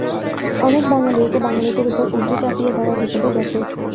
অনেক বাঙালি একে বাঙালিদের উপর উর্দু চাপিয়ে দেয়া হিসেবে দেখে।